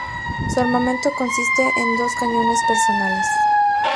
Su armamento consiste en dos cañones personales.